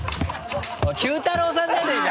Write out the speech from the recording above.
おいＱ太郎さんじゃねぇか！